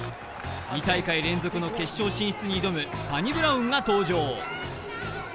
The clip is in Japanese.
２大会連続の決勝進出に挑むサニブラウンが登場。